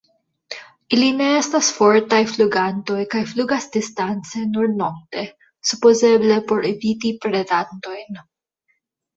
Ili ne estas fortaj flugantoj kaj flugas distance nur nokte, supozeble por eviti predantojn.